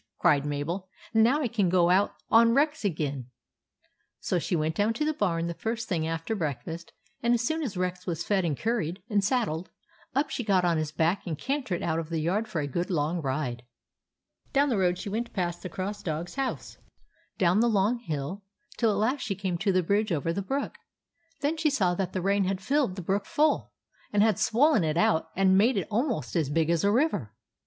" cried Mabel. " Now I can go out on Rex again !" So she went down to the barn the first thing after breakfast, and as soon as Rex was fed and curried and saddled, up she got on his back and cantered out of the yard for a good long ride. Down the road she went past the Cross Dog's house, down the long hill, till at last she came to the bridge over the brook. Then she saw that the rain had filled the brook full, and had swollen it out and made it almost as big as a river.